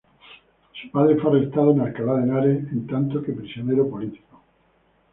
Su padre fue arrestado en Alcalá de Henares en tanto que prisionero político.